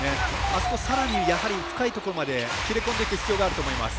あそこ、さらに深いところまで切り込んでいく必要があると思います。